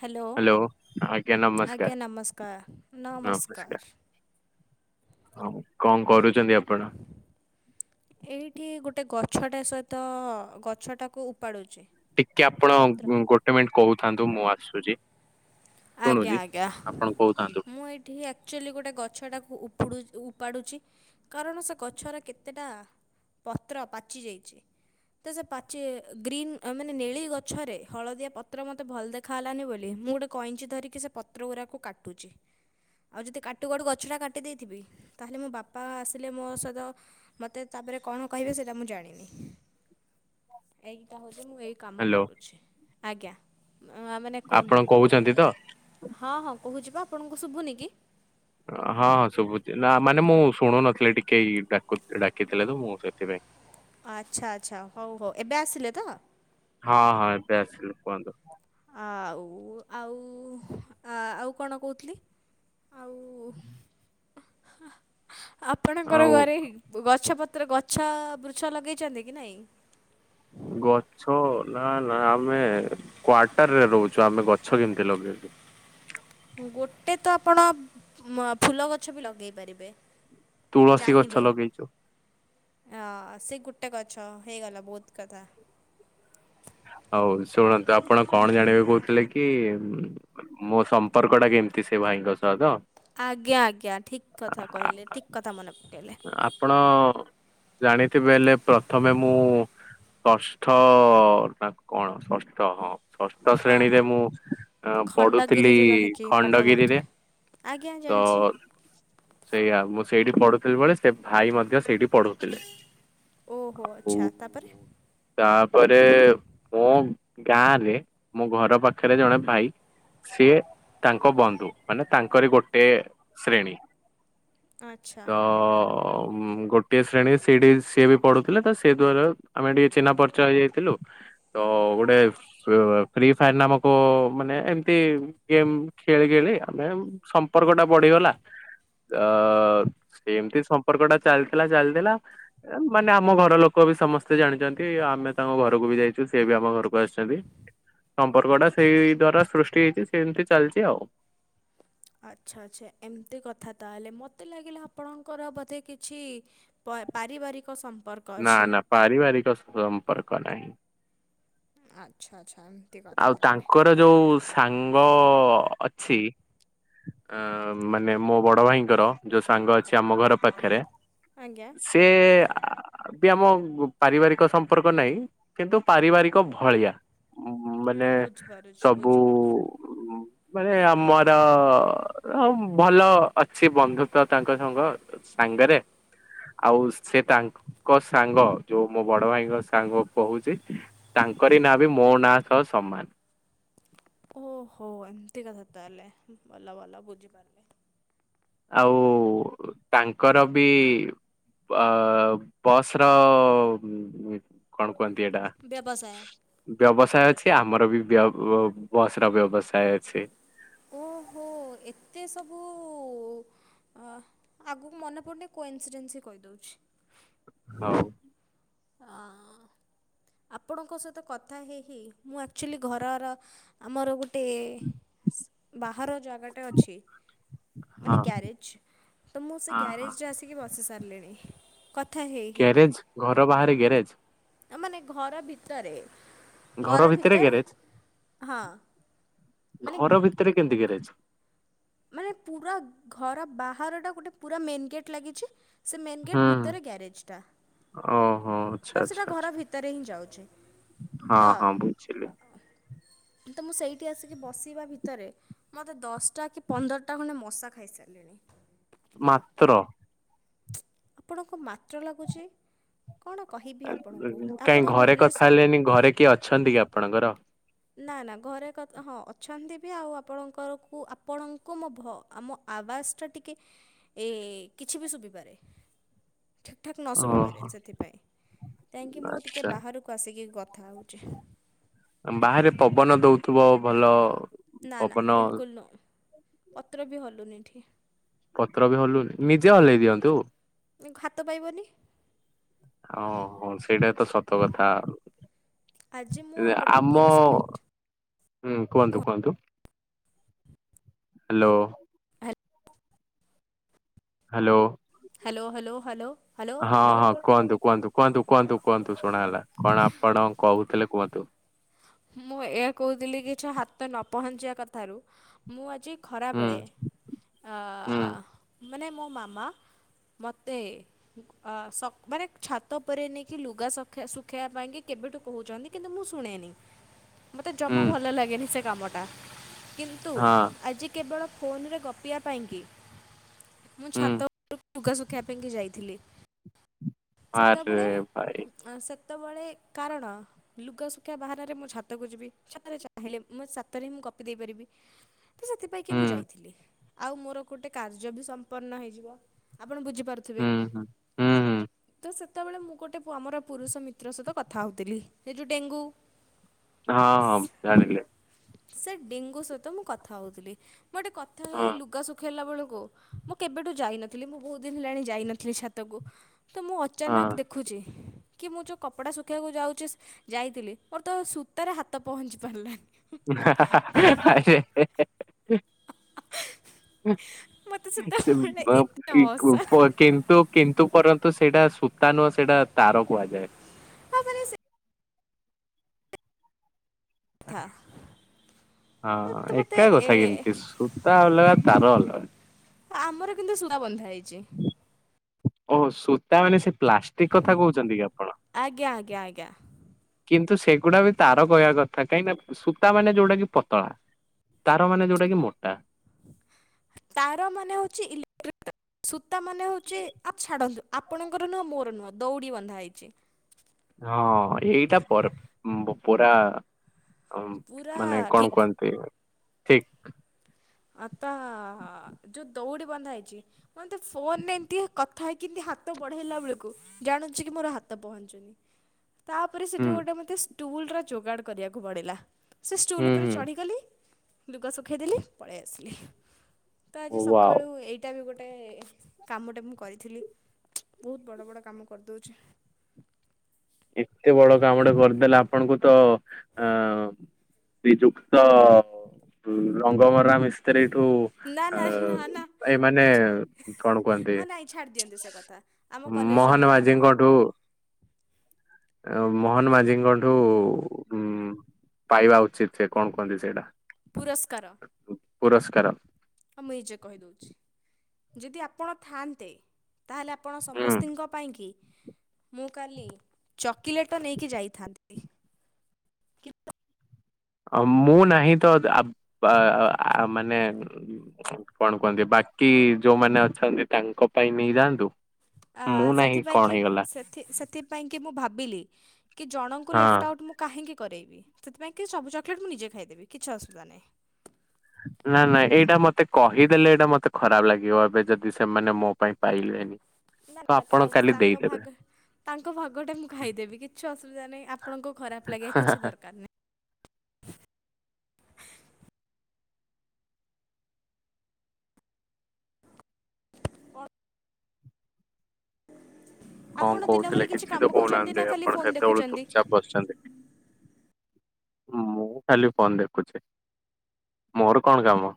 Hello ଆଜ୍ଞା ନମସ୍କାର ଆଜ୍ଞା ନମସ୍କାର ନମସ୍କାର ହଁ କଣ କରୁଛନ୍ତି ଆପଣ? ଏଇଠି ଗୋଟେ ଗଛଟା ସହିତ ଗଛଟାକୁ ଉପାଡୁଚି। ଟିକେ ଆପଣ ଗୋଟେ ମିନିଟ୍ କହୁଥାନ୍ତୁ। ମୁଁ ଆସୁଚି। ଆଜ୍ଞା ଆଜ୍ଞା କହୁଥାନ୍ତୁ ମୁଁ ଏଇ ଟିକେ ଆକ୍ଚୁଆଲି ଗୋଟେ ଗଛଟାକୁ ଉପୁଡୁ ଉପାଡୁଚି। କାରଣ ସେ ଗଛରେ କେତେଟା ପତ୍ର ପାଚି ଯାଇଚି। ତ ସେ ପାଚି ଗ୍ରୀନ୍ ମାନେ ନେଳି ଗଛରେ ହଳଦିଆ ପତ୍ର ମୋତେ ଭଲ ଦେଖା ହେଲାନି ବୋଲି ମୁଁ ଗୋଟେ କଇଞ୍ଚି ଧରିକି ସେ ପତ୍ର ଉରାକୁ କାଟୁଚି। ଆଉ ଯଦି କାଟୁ କାଟୁ ଗଛଟା କାଟି ଦେଇଥିବି ତାହେଲେ ମୋ ବାପା ଆସିଲେ ମୋ ସହିତ ମତେ ତାପରେ କଣ କହିବେ ସେଇଟା ମୁଁ ଜାଣିନି ଏଇଟା ହେଉଛି ମୁଁ ଏଇ କାମ ହ୍ୟାଲୋ କରୁଛି ଆଜ୍ଞା ମାନେ କୁହନ୍ତୁ। ହୁଛନ୍ତି ତ? ହଁ ହଁ କହୁଛି ପା ଆପଣଙ୍କୁ ଶୁଭୁନି କି? ହଁ ହଁ ଶୁଭୁଚି ନା ମାନେ ମୁଁ ଶୁଣୁନଥିଲି ଟିକେ ଏଇ ଡାକୁ ଡାକିଥିଲେ ତ ମୁଁ ସେଥିପାଇଁ ଆଚ୍ଛା ଆଚ୍ଛା ହଉ ହଉ ଏବେ ଆସିଲେ ତ। ହଁ ହଁ ଏବେ ଆସିଲି କୁହନ୍ତୁ। ଆଉ ଆଉ ଆ ଆଉ କଣ କହୁଥିଲି? ଆଉ ଆପଣଙ୍କର ଆଉ ଘରେ ଗଛ ପତ୍ର ଗଛ ବୃଛ ଲଗେଇଛନ୍ତି କି ନାଇଁ? ଗଛ ନା ନା ଆମେ କ୍ଵାର୍ଟରରେ ରହୁଛୁ ଆମେ ଗଛ କେମିତି ଲଗେଇବୁ? ଗୋଟେ ତ ଆପଣ ଫୁଲ ଗଛ ବି ଲଗେଇ ପାରିବେ। ତୁଳସୀ ଗଛ ଲଗେଇଛୁ। ହ ସେ ଗୋଟେ ଗଛ ହେଇଗଲା ବହୁତ କଥା। ହଉ ଶୁଣନ୍ତୁ, ଆପଣ କଅଣ ଜାଣିବାକୁ କହୁଥିଲେ କି ମୋ ସମ୍ପର୍କ ଟା କେମିତି ସେ ଭାଇଙ୍କ ସହ ତ? ଆଜ୍ଞା ଆଜ୍ଞା ଠିକ୍ କଥା ଆ- କହିଲେ ଠିକ୍ କଥା ମନେ ପକେଇଲେ। ଆପଣ ଜାଣିଥିବେ ହେଲେ ପ୍ରଥମେ ମୁଁ କଷ୍ଠ ନା କଣ ଷଷ୍ଠ ହଁ। ଷଷ୍ଠ ହଁ ଶ୍ରେଣୀରେ ହଁ ମୁଁ ଆ ପଢୁଥିଲି ଖଣ୍ଡଗିରିରେ ରହିକି ପାଠ ଖଣ୍ଡଗିରିରେ। ପଢ଼ୁଥିଲେ। ଆଜ୍ଞା ତ ଜାଣଛି। ସେଇଆ ମୁଁ ସେଇଠି ପଢୁଥିଲି ବେଳେ ସେ ଭାଇ ମଧ୍ୟ ସେଇଠି ପଢୁଥିଲେ। ଓହୋ ଆଛା ତାପରେ ତା ପରେ ମୋ ଗାଁ ରେ ମୋ ଘର ପାଖରେ ଜଣେ ଭାଇ ସିଏ ତାଙ୍କ ବନ୍ଧୁ ମାନେ ତାଙ୍କର ଗୋଟେ ଶ୍ରେ ଆଚ୍ଛା। ତ ଅ ମୁଁ ଗୋଟିଏ ଶ୍ରେଣୀ ସେଇଠି ସିଏ ବି ପଢୁଥିଲେ ତ ସେଇ ଦ୍ଵାର ଆମେ ଟିକେ ଚିହ୍ନା ପରିଚୟ ହେଇଯାଇଥିଲୁ। ତ ଗୋଟେ ଫ୍ରିଅ ଫ୍ରି ଫାୟାର ନାମକ ମାନେ ଏମତି ଗେମ ଖେଳି ଖେଳି ଆମେ ସମ୍ପକ ଟା ବଢିଗଲା ଅ ସେମତି ସମ୍ପର୍କ ଟା ଚାଲଥିଲା ଚାଲଥିଲା। ଆ ମାନେ ଆମ ଘର ଲୋକ ବି ସମସ୍ତେ ଜାଣିଚନ୍ତି ଆମେ ତାଙ୍କ ଘରକୁ ବି ଯାଇଚୁ ସେ ବି ଆମ ଘରୁ ବୟସ ବି ସମ୍ପର୍କ ଟା ସେଇ ଦ୍ଵାରା ସୃଷ୍ଟି ହେଇଚି ସେମତି ଚାଲଚି ଆଉ। ଆଛା ଆଛା ଏମତି କଥା ତାହେଲେ ମୋତେ ଲାଗିଲା ଆପଣଙ୍କର ବୋଧେ କିଛି ପର ପାରିବାରିକ ସମ୍ପର୍କ ନା ଅଛି। ନା ପାରିବାରିକ ସମ୍ପର୍କ ନାହିଁ। ଆଚ୍ଛା ଆଚ୍ଛା। କଥା ଆଉ ତାହେଲେ ତାଙ୍କର ଯୋଉ ସାଙ୍ଗ ଅଛି। ଆଁ ମାନେ ମୋ ବଡ ଭାଇଙ୍କର ଯୋଉ ସାଙ୍ଗ ଅଛି ଆମ ଘର ପାଖରେ ଆଜ୍ଞା ସିଏ ଆ ବି ଆମ ପାରିଭାରିକ ସମ୍ପର୍କ ନାଇ କିନ୍ତୁ ପାରିବାରିକ ଭଳି। ମାନେ ମୁଁ ବୁଝିପାରୁଛି ସବୁ ବୁଝିପାରୁଛି। ମାନେ ଆମ ହାତ୍ ତ ହଁ ଭଲ ଅଛି ବନ୍ଧୁତା ତାଙ୍କ ସଙ୍ଗ ସାଙ୍ଗେରେ। ଆଉ ସେ ତାକ୍ ଙ୍କ ସାଙ୍ଗ ଯୋଉ ମୋ ବଡ ଭାଇଙ୍କ ସାଙ୍ଗ କହୁଚି ତାଙ୍କରି ନାଁ ମୁଁ ମୋ ନା ସ ସମାନ। ଓହୋ ଏମିତି କଥା ତାହେଲେ ଭଲ ଭଲ ବୁଝିପାରିବେ। ଆଉ ତାଙ୍କର ବି ବାଆ ବସ-ର କଣ କୁହନ୍ତି ଏଇଟା ବ୍ୟବସାୟ। ବ୍ୟବସାୟ ଅଛି ଆମର ବି ବ୍ୟବ ବସ ର ବ୍ୟବସାୟ ଅଛି। ଓହୋ ଏତେ ସବୁ ଅ ଆଗକୁ ମନେ ପଡୁନି କୋ ଇନ୍ସିଡେନ୍ସି କହିଦଉଛି। ହଉ। ଆଁ ଆପଣଙ୍କ ସହିତ କଥା ହେଇ ହେଇ ମୁଁ ଆକଚୁଆଲି ଘରର ଆମର ଗୋଟେଏ ବାହାର ଜାଗାଟେ ଅଛି। ହଁ ମାନେ ଗ୍ୟାରେଜେ ତୋ ମୁଁ ସେ ହଁ ଗ୍ୟାରେଜ ରେ ଆସିକି ବସି ସାରିଲିଣି କଥା ହେଇ ହେଇ। ଗ୍ୟାରେଜ୍ ଘର ବାହାରେ ଗ୍ୟାରେଜ? ମାନେ ଘର ଭିତରେ ଘର ଭିତରେ ହଁ। ମାନେ ଘର ଭିତରେ କେମିତି ଗ୍ୟାରେଜ୍? ମାନେ ପୁରା ଘର ବାହାର ଟା ଗୋଟେ ପୁରା ମେନ ଗେଟ ଲାଗିଛି। ସେ ମେନ୍ ହୁଁ ଗେଟ୍ ଭିତରେ ଗ୍ୟାରେଜ୍ ଟା। ଓହୋ ଆଚ୍ଛା ତୋ ଆଚ୍ଛା ସେଇଟା ଘର ଆଚ୍ଛା ଭିତରେ ହିଁ ଯାଉଛି ହଁ ତୋ ହଁ ବୁଝିଲି ତୋ ମୁଁ ସେଇଠି ଆସିକି ବସିବା ଭିତରେ ମୋତେ ଦଷ୍ଟ। କି ପନ୍ଦରଟା ଖଣ୍ଡେ ମଶା ଖାଇସାରିଲେଣି। ମାତ୍ର। ଆପଣଙ୍କୁ ମାତ୍ର ଲାଗୁଚି। କଣ କହି ଏ କାଇଁ ଘରେ କଥା ହେଲେନି ଘରେ କିଏ ଅଛନ୍ତି କି ଆପଣଙ୍କର? ନା ନା ଘରେ କତ୍ ହଁ ଅଛନ୍ତି ବି ଆଉ ଆପଣଙ୍କରକୁ ଆପଣଙ୍କୁ ମୋ ଭ ଆମ ଆବାସଟା ଟିକେ ଏ କିଛି ବି ଶୁବିପାରେ। ଠିକ୍ ଠାକ୍ ନ ଶୁଭିିପାରେ ଓହୋ ସେଥିପାଇଁ କାହିଁକି ମୁଁ ଟିକେ ଆଚ୍ଛା ବାହାରକୁ ଆସିକି କଥା ହୋଉଚି। ଆମ୍ ବାହାରେ ପବନ ଦୋଉଥିବ ଭଲ। ନା ନା ପବନ ବିଲକୁଲ ନୁଅଁ ପତ୍ର ବି ହଲୁନି ଏଠି। ପତ୍ର ବି ହଲୁନି ନିଜେ ହଲେଇ ଦିଅନ୍ତୁ। ଉଁ ହାତ ପାଇବନି। ଓହୋ ସେଇଟା ତ ସତ କଥା ଆଉ। ଆଜି ମୁଁ ଆଉ ରେ ଗୋଟେ ଆମ ପୁରୁଷ ମିତ୍ର ହୁଁ କୁହନ୍ତୁ କୁହନ୍ତୁ। ହାଲୋ। ହା ହାଲୋ। Hello hello hello. ହଁ ହଁ କୁହନ୍ତୁ କୁହନ୍ତୁ କୁହନ୍ତୁ କୁହନ୍ତୁ କୁହନ୍ତୁ ଶୁଣାଗଲା କଣ ଆପଣ କୋହୁଥିଲେ କୁହନ୍ତୁ। ମୁଁ ଏଇଆ କୋହୁଥୁଲି କି ଯୋଉ ହାତ ନ ପହଞ୍ଚିବା କଥାରୁ ମୁଁ ଆଜି ହୁଁ ଖରାବେଳେ ଆ ହୁଁ ଆ ମାନେ ମୋ ମାମା ମତେ ଆ ସ ମାନେ ଛାତ ଓପରେ ନେଇକି ଲୁଗା ଶଖେଆ ଶୁଖେଇବା ପାଇଁ କି କେବେଠୁ କୋହୁଚନ୍ତି। କିନ୍ତୁ ମୁଁ ଶୁଣେନି। ମତେ ଜମା ହୁଁ ଭଲ ଲାଗେନି ସେ କାମଟା କିନ୍ତୁ ହଁ ଆଜି କେବଳ ଫୋନରେ ଗପିବା ପାଇଁକି। ମୁଁ ଛାତ ହୁଁ ଉପରକୁ ଲୁଗା ଶୁଖେଇବା ପାଇଁକି ଯାଇଥିଲି। ଆରେ ସେତବେଳେ ଭାଇ ଆଁ ସେତବେଳେ କାରଣ ଲୁଗା ଶୁଖେଇବା ବାହାନା ରେ ମୁଁ ଛାତକୁ ଯିବି ଛାତରେ ଚାହିଁଲେ ମୋ ଛାତରେ ହିଁ ମୁଁ ଗପି ଦେଇପାରିବି। ତ ସେଥିପାଇଁ କି ମୁଁ ହୁଁ ଯାଇଥିଲି ଆଉ ମୋର ଗୋଟେ କାର୍ଯ୍ୟ ବି ସମ୍ପନ୍ନ ହେଇଯିବ। ଆପଣ ବୁଝିପାରୁଥିବେ ହୁଁ ହୁଁ ହୁଁ ହୁଁ ତ ସେ ସେତେବେଳେ ମୁଁ ଗୋଟେ ପୁଅ ଆମର ପୁରୁଷ ମିତ୍ର ସହିତ କଥା ହୋଉଥିଲି ସେ ଯୋଉ ଡେଙ୍ଗୁ। ହଁ ହଁ ଜାଣିଲେ। ସେ ଡେଙ୍ଗୁ ସହିତ ମୁଁ କଥା ହୋଉଥୁଲି। ମୁଁ ଏଠି କଥା ହଁ ହେଇ ଲୁଗା ଶୁଖେଇଲା ବେଳକୁ ମୁଁ କେବେଠୁ ଯାଇନ ନଥିଲ ମୁଁ ବୋହୁତ ଦିନ ହେଲାଣି ଯାଇନଥିଲି ଛାତକୁ ତ ମୁଁ ହଁ ଅଚାନକ ଖୁଚି କି ମୁଁ ଯୋଉ କପଡା ଶୁକେଇବାକୁ ଯାଉଚି ସି ଯାଇଥିଲି ତ ସୂତାରେ ହାତ ପହଞ୍ଚି ପାରଲାନି। ଉଁ ହା ହା ହା ଆରେ ହେ ହେ ମୋତେ ସିଏ ସେତେବେଳେ ବା ଏତେ କି କୋ ହସା ପର୍ କିନ୍ ତ କିନ୍ତୁ ପରନ୍ତୁ ସେଇଟା ସୂତା ନୁହଁ ସେଇଟା ତାର କୁହାଯାଏ। ହଁ ମାନେ ସେ କଥା। ହଁ ତ ମୋତେ ଏକା ଏ କଥା କେମତି ସୂତା ଅଲଗା ତାର ଅଲଗା। ଆମର କିନ୍ତୁ ସୁତା ବନ୍ଧା ହେଇଚି। ଓହୋ ସୂ ତାମାନେ ସେ ପ୍ଲାଷ୍ଟିକ କଥା କୋହୁଚନ୍ତି କି ଆପଣ? ଆଜ୍ଞା ଆଜ୍ଞା ଆଜ୍ଞା କିନ୍ତୁ ସେଗୁଡା ବି ତାର କହିବା କଥା କାହିଁକିନା ସୂତା ମାନେ ଯୋଉଗୁଡା କି ପତଳା। ତାର ମାନେ ଯୋଉଟା କି ମୋଟା। ତାର ମାନେ ହୋଉଚି ଇଲେକ୍ଟ୍ରିକ ତା ସୂତା ମାନେ ହଉଛି ଆପ ଛାଡନ୍ତୁ ଆପଣଙ୍କର ନୁହଁ ମୋର ନୁହଁ ଦଉଡି ବନ୍ଧା ହେଇଛି। ହଁ ଏଇଟା ପରମ୍ବପରା। ପୁରା ଆମ ମାନେ କଣ ଠିକ୍ କୁହନ୍ତି ଠିକ। ଅତହ ହ ଯୋଉ ଦୌଡି ବନ୍ଧା ହେଇଛି। ତମେ ତ ଫୋନରେ ଏମିତି ଆ କଥା ହେଇକି ଏମତି ହାତ ବଢେଇଲା ବେଳକୁ। ଜାଣୁଛି କି ମୋର ହାତ ପହଞ୍ଚୁନି। ତାପରେ ହୁଁ ସେଠୁ ଗୋଟେ ମୋତେ ଷ୍ଟୁଲର ଯୋଗାଡ଼ କରିବାକୁ ପଡ଼ିଲା। ସେ ଷ୍ଟୁଲ୍ ହୁଁ ଉପରେ ଚଢ଼ିଗଲି ଲୁଗା ଶୁଖେଇଦେଲି ପଳେଇ ଆସିଲି। ତ ଆଜି ହୁଁ ୱାଓ ସକାଳୁ ଏଇଠି। ଏକା ବି ଗୋଟେ କାମଟେ ମୁଁ କରିଥିଲି ବହୁତ ବଡ଼ ବଡ଼ କାମ କରିଦେଉଛି। ଏତେ ବଡ କାମ ଟେ କରିଦେଲେ ଆପଣଙ୍କୁ ତ ଆଁ। ଶ୍ରୀଯୁକ୍ତ ରଙ୍ଗମରା ମିଶ ଥିରେ ଏଇଠୁ ନା ଆ ନା ନା ନା ଏ ମାନେ କିଛି କଣ କୁହନ୍ତି। ହଁ ନାଇଁ ଛାଡ଼ି ଦିଅନ୍ତୁ ସେ କଥା ଆମ କଲେଜ ମହୋନ ରଙ୍ଗମରା ମାଝିଙ୍କଠୁ। ମୋହନ ମାଝିଙ୍କ ଠୁ ଉଁ ପାଇବା ଉଚିତ। ସେ କଣ କୁହନ୍ତି ସେଇଟା ପୁରସ୍କାର ପୁରସ୍କାର। ହଉ ମୁଁ ନିଜେ କହିଦେଉଛି ଯଦି ଆପଣ ଥାଆନ୍ତେ। ତାହେଲେ ଆପଣ ହୁଁ ସମସ୍ତିଙ୍କ ପାଇଁକି। ମୁଁ କାଲି ଚକୋଲେଟ୍ ନେଇକି ଯାଇଥାନ୍ତି। ଅଁ ମୁଁ ନାହିଁ ତ ଆପ୍ ଆ‌ ମାନେ। କଣ କୁହନ୍ତି ବାକି ଯୋଉମାନେ ଅଛନ୍ତି ତାଙ୍କ ପାଇଁ ନେଇଯାଆନ୍ତୁ। ଆ ମୁଁ ନାହିଁ ସେଥିପାଇଁ କଣ କି ହେଇଗଲା ସେ ଥି ସେଥି ପାଇଁକି ମୁଁ ଭାବିଲି କି ଜଣଙ୍କୁ ହଁ ଲେଫ୍ଟ ଆଉଟ୍ ମୁଁ। କାହିଁକି କରେଇବି ସେଥିପାଇଁ କି ସବୁ ଚକଲେଟ ମୁଁଜେ ଖାଇଦେବି କିଛି ଅସୁବିଧା ନାହିଁ। ନା ନାଇ ଏଇଟା ମତେ କହିଦେଲେ ଏଇଟା ମତେ ଖରାପ ଲାଗିବ ଏବେ ଯଦି ସେମାନେ ମୋ ପାଇଁ ପାଇଲେନି। ନା ତ ନା ଆପଣ ଥାଉ କାଲି ତାଙ୍କ ଦେଇଦେବେ ଭାଗ। ତାଙ୍କ ଭାଗଟା ମୁଁ ଖାଇଦେବି କିଛି ଅସୁବିଧା ନାହିଁ ଆପଣଙ୍କ ଖରାପ ଲାଗା ହାଁ ହାଁ କିଛି ଦରକାର ନାହିଁ। ଆପଣ କଣ କହୁଥିଲେ ଦିନଭରି କିଛି କାମ ତ କରୁଛନ୍ତି ନା କହୁନାହାନ୍ତି ଖାଲି ଆପଣ ଫୋନ୍ କେତେବେଳୁ ଦେଖୁଛନ୍ତି? ଚୁପଚାପ ବସିଛନ୍ତି। ମୁଁ ଖାଲି ଫୋନ ଦେଖୁଛି ମୋର କଣ କାମ।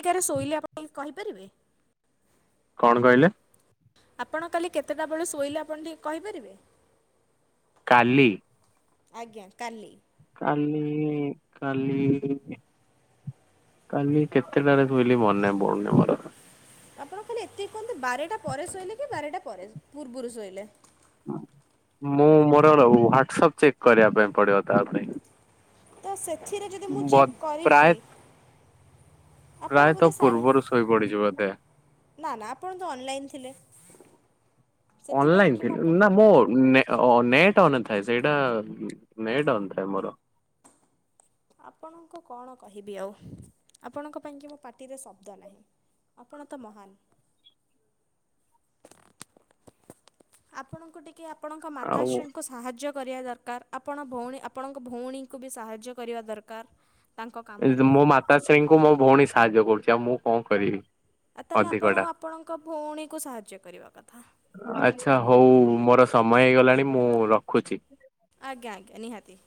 କେତେଟା ରେ ଶୋଇଲେ ଆପଣ କହିପାରିବେ। କଣ କହିଲେ? ଆପଣ କାଲି କେତେଟା ବେଳେ ଶୋଇଲେ ଆପଣ ଟିକେ କହିପାରିବେ। କାଲି। ଆଜ୍ଞା କାଲି। କାଲି କାଲି। କାଲି କେତେଟା ରେ ଶୋଇଲିି ମନେ ପଡୁନି ମୋର। ଆପଣ ଖାଲି ଏତିକି କୁହନ୍ତୁ ବାରଟା ପରେ ଶୋଇଲେ କି ବାରଟା ପରେ ପୂର୍ବରୁ ଶୋଇଲେ। ମୁଁ ମୋର ର ହ୍ଵାଟସପ୍ ଚେକ୍ କରିବା ପାଇଁ ପଡିବ ତା ପାଇଁ। ତ ସେଥିରେ ଯଦି ମୁଁ ବ ଚେକ୍ ପ୍ରାୟ କରିଛି। ପ୍ରାୟତଃ ପୂର୍ବରୁ ଶୋଇ ପଡିଚି ବୋଧେ। ନା ନା ଆପଣ ତ ଅନଲାଇନ ଥିଲେ ‌। ଅନ ଲାଇନ ଥିଲ ନା ମୋ ନେ ଓ ଅ ନେଟ ଅନ ଥାଏ ସେଇଟା ନେଟ ଅନ ଥାଏ ମୋର ‌। ଆପଣଙ୍କୁ କଣ କହିବି ଆଉ ଆପଣଙ୍କ ପାଇଁ କି ମୋ ପାଟି ରେ ଶବ୍ଦ ନାହିଁ। ଆପଣ ତ ମହାନ। ଆପଣଙ୍କୁ ଟିକେ ଆପଣଙ୍କ ଆଉ ମାତାଶ୍ରୀଙ୍କୁ। ସାହାଯ୍ୟ କରିବା ଦରକାର ଆପଣ ଭଉଣୀ ଆପଣଙ୍କ ଭଉଣୀଙ୍କୁ ବି ସାହାଯ୍ୟ କରିବା ଦରକାର। ତାଙ୍କ ଏ ଯୋ କାମରେ। ମୋ ମାତାଶ୍ରୀଙ୍କୁ ମୋ ଭଉଣୀ ସାହାଯ୍ୟ କରୁଛି ଆଉ ମୁଁ କଣ କରିବି। ଆଉ ତାହେଲେ ଅଧିକ ଆପଣ ଟା ଆପଣଙ୍କ ଭଉଣୀକୁ ସାହାଯ୍ୟ କରିବା କଥା। ଆଚ୍ଛା ହଉ ମୋର ସମୟ ହେଇଗଲାଣି ମୁଁ ରଖୁଛି। ଆଜ୍ଞା ଆଜ୍ଞା ନିହାତି